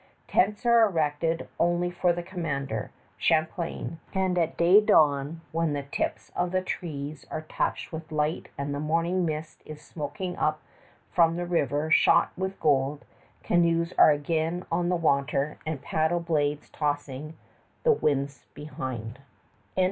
Tents are erected only for the commander, Champlain; and at day dawn, while the tips of the trees are touched with light and the morning mist is smoking up from the river shot with gold, canoes are again on the water and paddle blades tossing the waves behind.